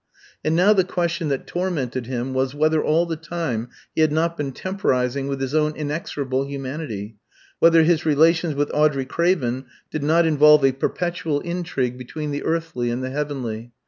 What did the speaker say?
And now the question that tormented him was whether all the time he had not been temporising with his own inexorable humanity, whether his relations with Audrey Craven did not involve a perpetual intrigue between the earthly and the heavenly.